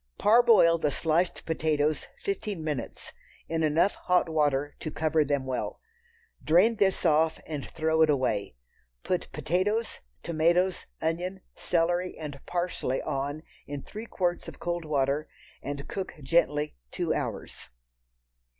Parboil the sliced potatoes fifteen minutes in enough hot water to cover them well. Drain this off and throw it away. Put potatoes, tomatoes, onion, celery and parsley on in three quarts of cold water, and cook gently two hours.